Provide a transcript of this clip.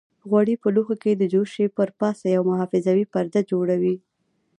غوړي په لوښي کې د جوشې پر پاسه یو محافظوي پرده جوړوي.